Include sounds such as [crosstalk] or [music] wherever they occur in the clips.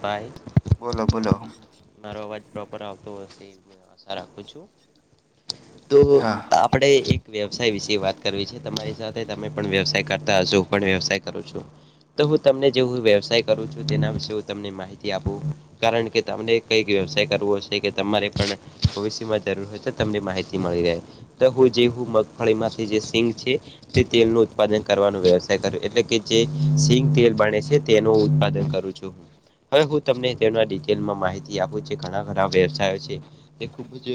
By. બોલો બોલો મારો અવાજ પ્રોપર આવતો હશે. એવી આશા રાખું છું. તો હા [unintelligible] આપડે એક વ્યવસાય વિશે વાત કરવી છે, તમારી તમે પણ વ્યવસાય કરતા હશો હું પણ વ્યવસાય કરું છું. તો હું તમને જે હું વ્યવસાય કરું છું તેના વિશે હું તમને માહિતી આપું. કારણ કે તમને કઈક વ્યવસાય કરવો હશે કે તમારે પણ, ભવિષ્ય માં જરૂર હોય તો તમને માહિતી મળી રહે. તો હું જે હું મગફળી માંથી જે સિંગ છે તે તેલ નું ઉ ઉત્પાદન કરવાનો વ્યવાય કર એટલે કે જે સિંગ તેલ બને છે તેનું ઉત્પાદન કરું છું. હવે હું તમને તેના ડિટેલમાં માહિતી આપું છ ઘણા ઘણા વ્યવસાયો છે તે ખૂબ જ,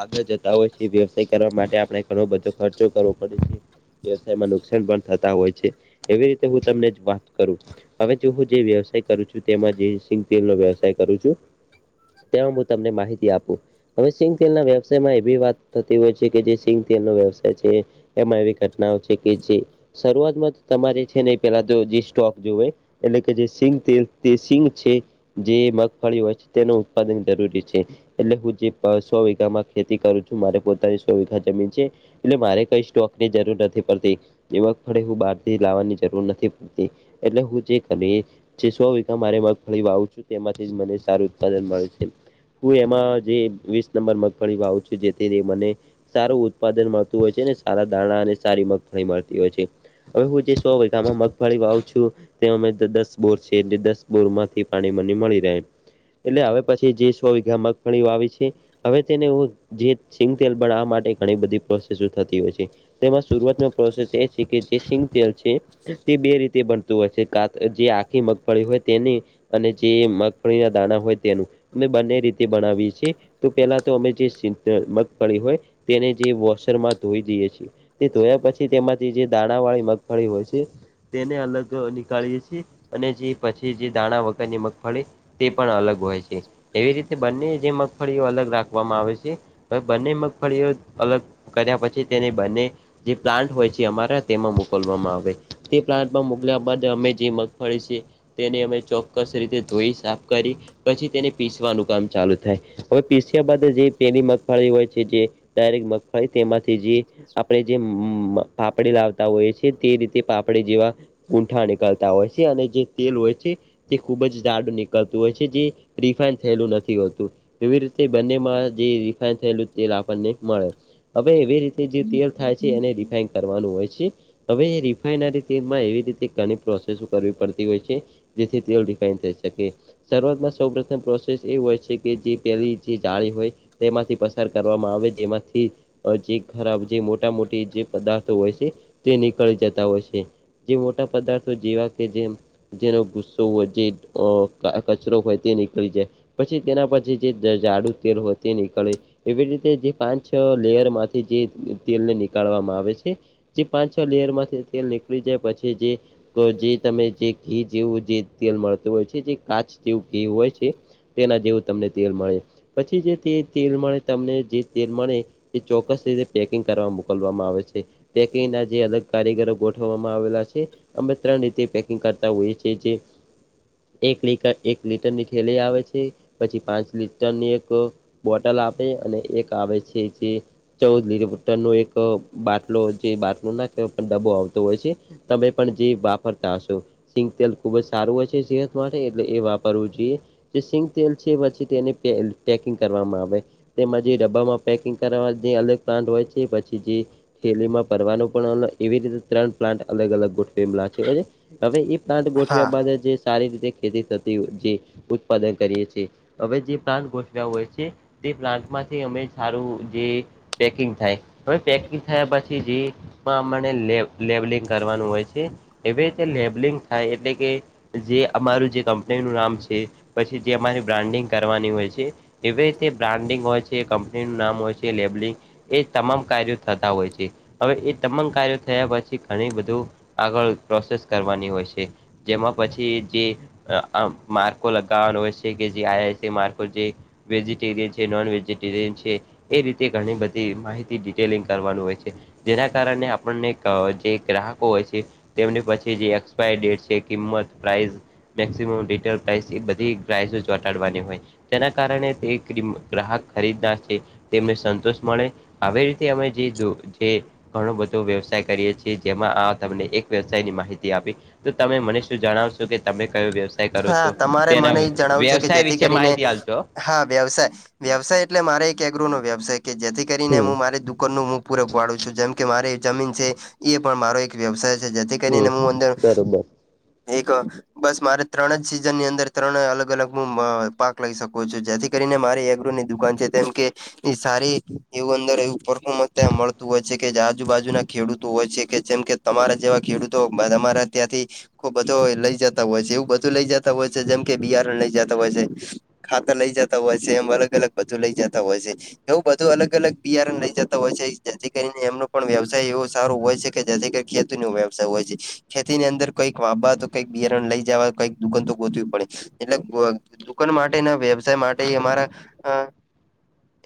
આગળ જતા હોય છે વ્યવસાય કરવા માટે આપણે ઘણો બધો ખર્ચો કરવો પડે છે. વ્યવસાયમાં નુકસાન પણ થતા હોય છે એવી રીતે હું તમને જ વાત કરું હવે જોવું જે વ્યવસાય કરું છું તેમાં જે સિંગતેલ નો વ્યવસાય કરું છું તેમાં હું તમને માહિતી આપું હવે સિંગ તેલ ના વ્યવસાયમાં એવી વાત થતી હોય છે કે જે સિંગ તેલ નો વ્યવસાય છે એમાં એવી ઘટનાઓ છે કે જે શરૂઆતમાં તમારે છે ને એ પેલા તો જે સ્ટોક જોવે એટલે કે જે સિંગ તેલ તે સિંગ છે જે મગફળી હોય છે તેનું ઉત્પાદન જરૂરી છે. એટલે હું જે સો વીઘામાં ખેતી કરું છું મારે પોતાની સો વીઘા જમીન છે. એટલે મારે કઈ સ્ટોક ની જરૂર નથી પડતી મગફડી હું બહારથી લાવવાની જરૂર નથી પડતી એટલે હું જે ઘરની જે સો વિઘા મારે મગફળી વાવું છું તેમાંથી મને સારું ઉત્પાદન મળે છે. હું એમાં જે વીસ નંબર મગફળી વાવું છું જેથી તે મને સારું ઉત્પાદન મળતું હોય છે અને સારા દાણા અને સારી મગફળી મળતી હોય છે. હવે હું જે સો વિઘા માં મગફળી વાવું છું તે અમે તે દસ બોર છે એટલે દસ બોર માંથી પાણી મને મળી રહે એટલે હવે પછી જે સો વિઘા મગફળી વાવી છે. હવે તેને હું જે સિંગ તેલ બનાવા માટે ઘણી બધી પ્રોસેસસો થતી હોય છે તેમાં શરૂવાત માં પ્રોસેસ એ છે કે જે સિંગતેલ છે તે બે રીતે બનતું હોય છે જે આ ની મગફળી હોય તેને અને જે મગ ફળી ના દાણા હોય તેનું અમે બંને રીતે બનાવી છે. તો પેલા તો અમે જે સિંગતેલ મગ પળી હોય તેને જે વોશરમાં ધોઈ દઈએ છીએ. તે ધોયા પછી તેમાંથી જે દાણા વાળી મગફળી હોય છે. તેને અલગ નીકાળીએ છીએ. અને જે પછી જે દાણા વગરની મગફળી તે પણ અલગ હોય છે એવી રીતે બંને જે મગફળીઓ અલગ રાખવામાં આવે છે બંને મગફળીઓ અલગ કર્યા પછી તેને બંને જે પ્લાન્ટ હોય છે અમારા તેમાં મોકલવામાં આવે તે પ્લાન્ટમાં મોકલ્યા બાદ અમે જે મગ મગફળી છે તેને અમે ચોક્કસ રીતે ધોઈ સાફ કરી પછી તેને પીસવાનું કામ ચાલુ થાય હવે પીસ્યા બાદ જે પેલી મગફળી હોય છે તે ડાયરેક્ટ મગફળી તેમાંથી જે આપણે જે પાપડી લાવતા હોઈએ છીએ તે રીતે પાપડી જેવા ઊંઠા નીકળતા હોય છે અને જે તેલ હોય છે તે ખૂબ જ દાડું નીકળતું હોય છે જે રિફાઈન થયેલું નથી હોતું એવી રીતે બંનેમાં જે થયેલું તેલ આપણને મળે હવે એવી રીતે જે તેલ થાય છે એને રિફાઈન કરવાનું હોય છે. હવે રિફાઈનરીમાં એવી રીતે ઘણી પ્રોસેસ કરવી પડતી હોય છે જેથી તે રિફાઈન થઈ શકે શરૂઆતમાં સૌ પ્રોસેસ એ હોય કે જે પેલી જે જાળ હોય તેમાંથી પ્રસાર કરવામાં આવે જેમાંથી જે ખરાબ જે મોટા મોટી જે પદાર્થો હોય છે તે નીકળી જતા હોય છે. જે પદાર્થો જેવા જેમ જેનો ગુસ્સો હોય જે કચરો હોય તે નીકળી જાય પછી તેના પછી જે જાડુ તેલ હોય તે નીકળે એવી રીતે જે પાંચ લેયર માંથી જે તેલ ને નીકળવામાં આવે છે. જે પાંચ છ લેયર માંથી તેલ નીકળી જાય પછી જે જે અને જે ઘી જેવું જે તેલ મળતું હોય છે જે કાચ જેવું ઘી હોય છે તેના જેવું તમને તેલ મળે પછી જે તે તેલ મળે તમને જે તેલ મળે એ ચોક્કસ રીતે પેકિંગ કરવા મોકલવામાં છે પેંકીગ ના જે અલગ કારીગરો ગોઠવવામાં આવેલા છે અમે ત્રણ રીતે કરતા હોય છે જે એક લીટર એક લીટરની થેલી આવે છે પછી પાંચ લીટરની એક બોટલ આપે અને એક આવે છે જે ચૌદ લીટર નો એક બાટલો જે બાટલો ના કેવાય ડબો આવતો હોય છે તમે પણ જે વાપર રતા હશો સિંગ તેલ ખુબ જ સારું હોય છે સેહદ માટે એટલે એ વાપરવું જોઈએ જે સિંગ તેલ છે પછી તેને પેકિંગ કરવામાં આવે તેમાં જે ડબ્બામાં પેકિંગ કરવા જે અલગ પ્લાન્ટ હોય છે પછી જે થેલીમાં ભરવાનું પણ એવી રીતે ત્રણ પ્લાન્ટ અલગ અલગ ગોઠાવેલા છે હવે એ પ્લાન્ટ હા ગોઠવ્યા બાદ જે સારી રીતે ખેતી થતી જે ઉત્પાદન કરીએ છ છીએ હવે જે પ્લાન્ટ ગોઠવ્યા હોય છે તે પ્લાન્ટ માંથી અમે સારું જે પેકિંગ થાય હવે પેકિંગ થયા પછી જે એમાં અમારે લેબલિંગ કરવાનું હોય છે એવી રીતે લેબલિંગ થાય એટલે કે જે અમારું જે કંપની નું નામ છે પછી જે અમારી બ્રાન્ડિંગ કરવાની હોય છે એવી રીતે બ્રાન્ડિંગ હોય છે કંપનીનું નામ હોય છે લેબલિંગ એ તમામ કાર્યો થતા હોય છે હવે એ તમામ કાર્યો થયા પછી ઘણી બધું આગળ પ્રોસેસ કરવાની હોય છે જેમાં પછી જે અ માર્કો લગાવવાનો હોય છે કે જે આ છે માર્કો જે વેજિટેરિયન છે નોન વેજિટેરિયન છે એ રીતે ઘણી બધી માહિતી ડિટેલિંગ કરવાનું હોય છે જેના કારણે આપણને જે ગ્રાહકો હોય છે તેમને પછી જે એક્સપાયરી ડેટ છે કિંમત પ્રાઇસ મેક્સિમમ ડીટેલ પ્રાઇસ એ બધી પ્રાઇસો ચોટાડવાની હોય તેના કારણે તે ગ્રાહક ખરીદનાર છે તેમને સંતોષ મળે આવી રીતે અમે જે ધું જે ઘણો બધો વ્યવસાય કરીએ છીએ જેમાં આ તમને એક વ્યવસાય ની માહિતી આપી તો તમે મને શું જણાવશો કે તમે કયો વ્યવસાય કરો હા છો તમારે તેના મને એ જણાવું છે કે વ્યવસાય જેથી વિશે કરીને માહિતી આપજો હા વ્યવસાય વ્યવસાય એટલે મારે એક એગ્રો નો વ્યવસાય કે જેથી કરીને હું મારી દુકાન નું મુ પૂરે પાડું છું જેમ કે મારી જમીન છે એ પણ મારો એક વ્યવસાય છે જેથી કરીને હમ હું અંદર ખબર એક બસ મારે. ત્રણ જ સિઝન ની અંદર ત્રણ અલ અલગ હું અ પાક લઈ શકું છું જેથી કરીને મારી એગ્રો ની દુકાન છે. જેમ કે એ સારી એવું અંદર એવું પરફોમસ ત્યાં મળતું હોય છે કે જે આજુબાજુનાં ખેડૂતો હોય છે કે જેમ કે... તમારા જેવા ખેડૂતો અમારા ત્યાંથી ખુબ બધો લઈ જતા હોય છે એવું બ બધુ લઈ જતા હોય છે, જેમ કે બિહારણ લઈ જતા હોય છે. ખાતર લઇ જતા હોય છે એમ અલગ અલગ બધું લઇ જતા હોય છે. એવું બધું અલગ અલગ બિયારણ લઈ જતા હોય છે, જેથી કરીને એમનો પણ વ્યવસાય એવો સારો હોય છે, કે જેથી કંઈક ખેતી નો વ્યવસાય હોય છે. ખેતી ની અંદર કઈક વાવા તો કઈક બિયારણ લઈ જવા કઈ... દુકાન તો ગોતવી પડે એટલે દુકાન માટે ના વ્યવસાય માટે અમારા અ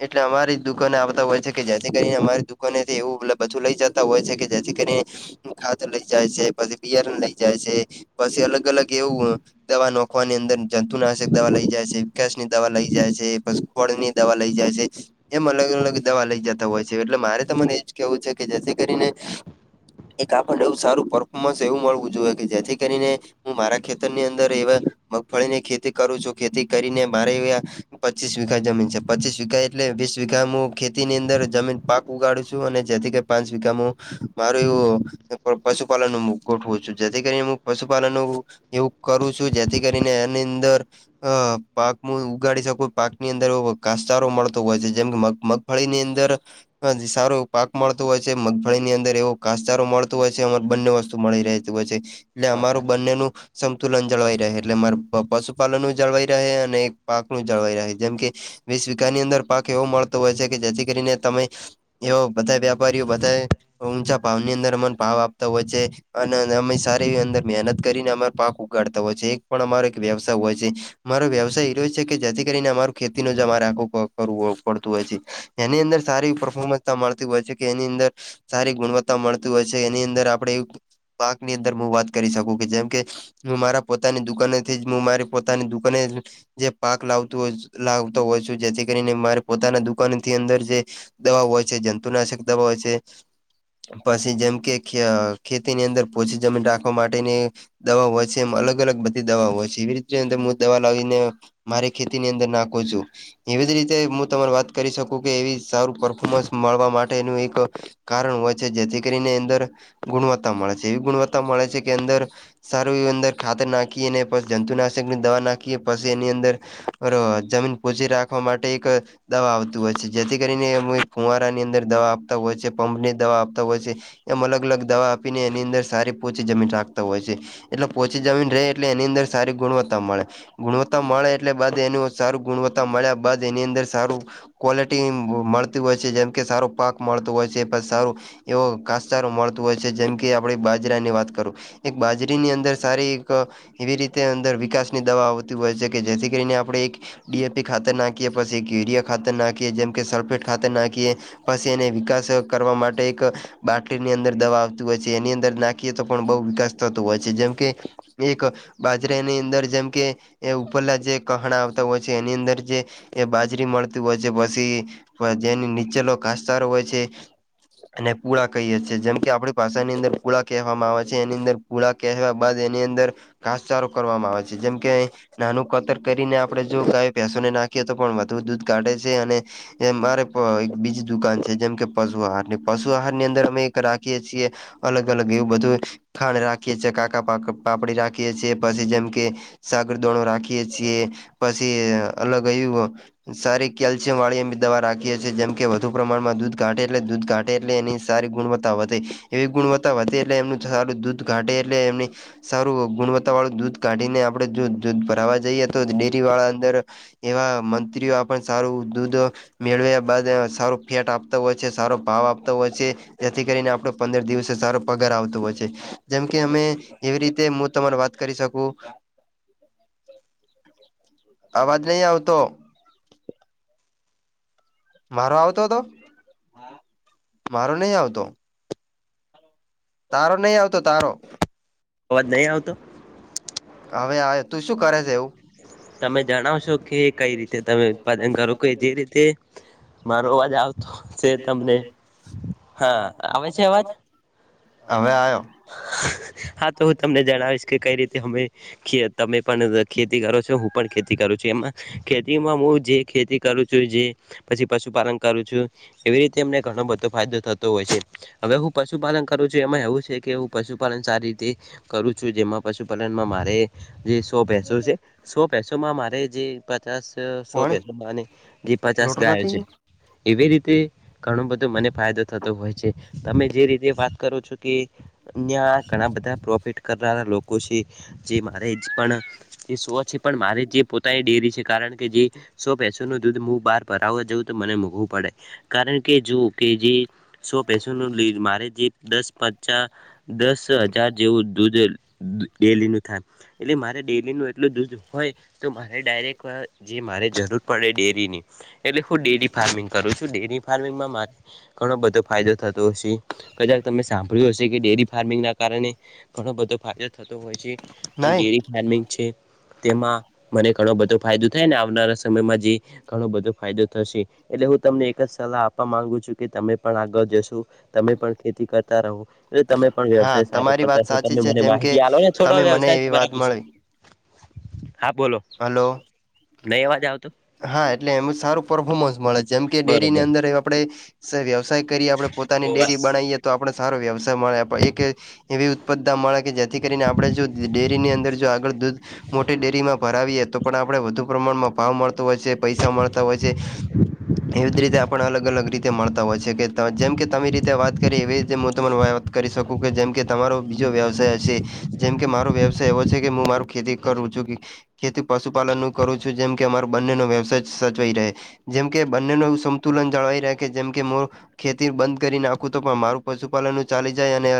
એટલે અમારી દુકને આવતા હોય છે કે જેથી કરીને અમારી દુકાકનેથી એવું બધું લઈ જ તા હોય છે કે જેથી કરીને. ખાતર લઈ જાય છે, પછી બિયારણ લઈ જાય છે, પછી અલગ અલગ એવું. દવા નોખવાની અંદર જંતુનાશક દવા લઈ જાય છે, વિકાસ ની દવા લઈ જાય છે, પ ફડ ની દવા લઈ જાય છે. એમ અલગ અલગ દવા લઈ જતા હોય છે. એટલે મારે તમને એજ કેવું છે કે જેથી કરીને. એક આપણને એવું સારું પરફોર્મન્સ એવું મળવું જોઈએ કે જેથી કરીને હું મારા ખેત રની અંદર એવા મગફળી ની ખેતી કરું છું ખેતી કરીને મારે એવા. પચીસ વીધા એટલે જમીન પચીસ વીધા એટલે વીસ વીધા હું ખેતી ની અંદર જમીન પાક ઉગાડું છું અને જેથી. પાંચ વીઘામ મારું એવું પશુપાલન નું મુ ગોઠવું છું જેથી કરીને હું પશુપાલન નું. એવું કરું છું જેથી કરીને એની અંદર. અ પાકમ ઉગાડી શકુ પાકની અંદર અ ઘાસચારો મળતો હોય છે જેમ કે મગ મગ. ફળી ની અંદર. [unintelligible] સારું એવું પાક મળતું હોય છે. મગફળી ની અંદર એવો ઘાસચારો મળતો હોય છે એ બંને વસ્તુ મળી રહે. છે એટલે અમારું બંનેનું. સંતુલન જળવાઈ રહે એટલે માર પશુપાલન નું જળવાઈ રહે અને પાક નું જળવાઈ રહે જેમ કે. વીસ વિઘાની અંદર પાક એવો મળતો હોય છે કે જેથી કરીને તમે. એવો બધા વ્યાપારીઓ બધાય. ઊંચા ભાવની અંદર અમન ભાવ આપતા હોય છે અને અમે સારી એ અંદર મહેનત કરીને અમ પાક ઉગાડતા હોય છે, એક પણ અમારો એક વ્યવસાય હોય છે. મારો વ્યવસાય એરિયો છે કે જેથી કરીને અમારું ખેતી ન [unintelligible] રાખું કરવું પડતું હોય છે. એની અંદર સારી પરર્ફોર્મન્સતા મળતી હોય છે કે એની અંદર. સારી ગુણવત્તા મળતી હોય છે એની અંદર આપડે. પાક ની અંદર મુ વાત કરી શકું કે જેમ કે, હું મારા પોતાની દુકાને થી જ હું મારી પોતાની દુકાને. જે પાક લાવતું [unintelligible] લાવતો હોય છું. જેથી કરીને મારે પોતાના દુકાન થી અંદર જે, દવા હોય છે, જંતુનાશક દવા હોય છે, પછી જેમ કે ખ્ય ખેતીની અંદર પોછી રાખવા માટેની દવા હો છે એમ અલગ અલગ બધી દવાઓ હોય છે. એવી રીત અંદર હું દવા લાવીને મારી ખેતી ની અંદર નાખું છું. એવી જ રીતે મુ તમન વાત કરી શકું કે એવી સારું પરફોમન્સ મળવા માટેનું એક. કારણ હોય જેથી કરીને અંદર ગુણવત્તા મળે છે એવી ગુણવત્તા મળે છે કે અંદર સાર અંદર ખાતર નાખી, ને પસ જંતુનાશકની દવા નાખીએ, પછી એની અંદર. જમીન પોચી રાખવા માટે એક. દવા આવતું હોય છે જેથી કરીને એનુ એક ફુવારાની અંદર દવા આપતા હોય છે, પંપ ની દવા આપતા હોય છે. એમ અલગ દવા આપીને એની અંદર સારી પોચી જમીન રાખતા હોય છે. એટલે પોચી જમીન રહે એટલે એની અંદર સારી ગુણવત્તા મળે. ગુણવત્તા મળે એટલે બાદ એનું સારું ગુણવત્તા મળ્યા બાદ એની અંદર સારું. ક્વોલિટી મળતી હોય છે જેમ કે સારો પાક મળતું હોય છે પછી સારું. એવો ઘાસચારો મળતું હોય છે. જેમ કે આપડે બાજરા ની વાત કરું એક બાજ રી ની અંદર સારી એક એવી રીતે અંદર વિકાસની દવા આવતી હોય છે. કે જેથી કરીને આપણે એક, ડીએપી ખાતર નાખીએ પછી એક યુરિયા ખાતર નાખીએ જેમ કે સલ્ફેટ ખાતર નાખીએ. પસીએને વિકાસ કરવા માટે એક, બાટલીની અંદર દવા આવતી હોય છે એની અંદર નાખીએ તો પણ બહુ વિકાસ થતો હોય છે જેમ કે, એક બાજરાની અંદર જેમ કે ઉપરલા જે કહણા આવતા હોય છે. એની અંદર જે, એ બાજરી મળતી હોય છે. પછી જેની નીચેલો ઘાસચાર હોય છે. એને પુળા કહીએ જેમ કે આપડી ભાષા ની અંદર પુળા કહેવામાં આવે છે એની અંદર પુળા કહેવા બાદ એની અંદર ઘાસચારો કરવામાં આવે છે જેમ કે નાનું કતર કરીને આપડે જો ગાય ભેંસોને નાખીએ તો પણ વધુ દૂધ કાઢે છે અને એ મારે એક બીજી દુકાન છે જેમ કે પશુ આહાર ને પશુ આહાર ની અંદર અમે એક રાખીએ છીએ. અલગ અલગ એવું બધું ખાંણ રાખીએ છીએ કાકા પાપડી રાખીએ છીએ પછી જેમ કે સાગર દોણો રાખીએ છીએ પછી અલગ એવું સારી કેલ્શિયમ વાળી અમે દવા રાખીએ છીએ જેમ કે વધુ પ્રમાણમાં દૂધ કાઢે એટલે દૂધ કાઢે એટલે એની સારી ગુણવત્તા વધે એવી ગુણવત્તા વધે એટલે એમનું સારું દૂધ કાઢે એટલે એમ સારું ગુણવત્તા વાળું દૂધ કાઢીને આપડે જો દૂધ ભરાવા જઈએ તો ડેરી વાળા અંદર એવા મંત્રીઓ આપણે સારૂ દૂધ મેળવ્યા બાદ સારું ફેટ આપતો હોય છે સારો ભાવ આપતો હોય છે. જેથી કરીને આપડો પંદર દિવસે સારો પગાર આવતો હોય છે. જેમકે અમે એવી રીતે મુત તમાર વાત કરી શકું અવાજ નહીં આવતો. મારો આવતો તો મારો નહીં આવતો. તારો નહી આવતો તારો અવાજ નહીં આવતો. હવે આવે તું શું કરે છે એવું તમે જણાવશો કે કંઈ રીતે તમે ઉત્પાદન કરો કે જે રીતે મારો અવાજ આવતો છે તમને હા આવે છે અવાજ હવે હા તો હું તમને જણાવીશ કે કઈ રીતે અમે ખે તમે પણ ખેતી કરો છો હું પણ ખેતી કરું છું એમાં ખેતીમાં હું જે ખેતી કરું છું જે પછી પશુપાલન કરું છું એવી રીતે અમને ઘણો બધો ફાયદો થતો હોય છે. હવે હું પશુપાલન કરું છું એમાં એવું છે કે હું પશુપાલન સારી રીતે કરું છું જેમાં પશુપાલનમાં મારે જે સો ભેસો છે સો ભેસોમાં મારે જે પચાસ સો કોણ ભેંસો નાની જે પચાસ લોટો ગાયો નથી છે. એવી રીતે ઘણો બધો મને ફાયદો થતો હોય છે તમે જે રીતે વાત કરૂં છું કે નેયા ઘણા બધા પ્રોફિટ કરનારા લોકો શી જે મારે પણ તે સો છે પણ મારે જે પોતાની ડેરી છે કારણ કે જે સો ભેંસો નું દૂધ મુ બહાર ભરાવવા જઉં તો મને મૂઘુ પડે. કારણ કે જો કે જે સો ભેંસો નીલ મારે જે દસ પચા દસ હજાર જેવું દૂધ ડેલી નું થાય. એટલે મારે ડેલી નું એટલું દૂધ હોય તો મારે ડાયરેક્ટ જે મારે જરૂર પડે ડેરી ની એટલે હું ડેરી ફાર્મિંગ કરું છું ડેરી ફાર્મિંગમાં મારે ઘણો બધો ફાયદો થતો હશે. કદાચ તમે સાંભળ્યું હશે કે ડેરી ફાર્મિંગના કારણે ઘણો બધો ફાયદો થતો હોય છે. જે નહી ડેરી ફાર્મિંગ છે. તેમાં મને ઘણો બધો ફાયદો થાય ને આવનારા સમયમાં જે ઘણો બધો ફાયદો થશે એટલે હું તમને એક જ સલાહ આપવા માંગુ છું કે તમે પણ આગળ જશો તમે પણ ખેતી કરતા રહો. તમે પણ હા વ્યવસાય સારો તમારી વાત કરતા છો સાચી તમે છે મને જેમ કે માહિતી આલોને છોડો તમે મને વ્યવસાય એવી તમારા વાત વિશે મળી હા બોલો. હલો. નહીં અવાજ આવતો હા એટલે એમ સારુ પર્ફોર્મન્સ મળે જેમકે ડેરીની બરોબર અંદર આપડે સ વ્યવસાય કરીએ આપડે પોતાની ડેરી બણાઈએ તો આપણે સારો વ્યવસાય મળે આપે એક કે એવી ઉત્પદ્ધા મળે કે જેથી કરીને આપણે જો ડેરીની અંદર જો આગળ દૂધ મોટી ડેરીમાં ભરાવીએ તો પણ આપણે વધુ પ્રમાણમાં ભાવ મળતો હોય છે પૈસા મળતા હોય છે. એવી જ રીતે આપણ અલગ અલગ રીતે મળતા હોય છે કે જેમ કે તમે રીતે વાત કરીએ એવી રીતે મું તમન વાત કરી શકું કે જેમ કે તમારો બીજો વ્યવસાય હશે. જેમ કે મારો વ્યવસાય એવો છે કે હું મારું ખેતી કરું છું કે ખેતી પશુપાલનનું કરું છું જેમ કે અમા ર બંનેનો વ્યવસાય સચવાઈ રહે જેમ કે બંનેનું એવું સંતુલન જળવાઈ રહે છે કે જેમ કે મું ખેતી બંધ કરી નાખું તો પણ મારું પશુપાલન ચાલી જાય અને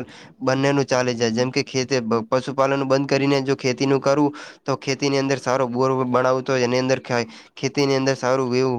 બંનેનું ચાલી જાય જેમ કે ખેતી પશુપાલનનું બંધ કરીને જો ખેતીનું કરું તો ખેતીની અંદર સારો બોર બણાઉ તોય એની અંદર ખે ખેતીની અંદર સારું એવું